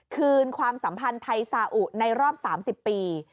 ความสัมพันธ์ไทยซาอุในรอบ๓๐ปี